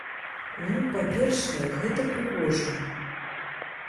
Ну, па-першае, гэта прыгожа.